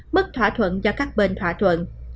bất thỏa thuận do các bên thỏa thuận